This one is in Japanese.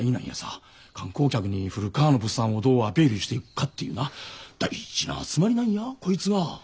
観光客に古川の物産をどうアピールしていくかっていうな大事な集まりなんやこいつが。